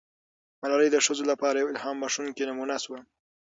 ملالۍ د ښځو لپاره یوه الهام بښونکې نمونه سوه.